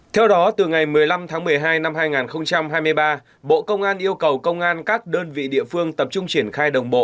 theo đó từ ngày một mươi năm tháng một mươi hai năm hai nghìn hai mươi ba bộ công an yêu cầu công an các đơn vị địa phương tập trung triển khai đồng bộ